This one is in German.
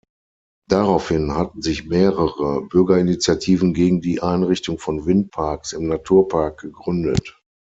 Daraufhin hatten sich mehrere Bürgerinitiativen gegen die Einrichtung von Windparks im Naturpark gegründet.